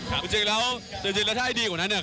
ครับจริงจริงแล้วจริงจริงแล้วถ้าไอ้ดีกว่านั้นเนี่ย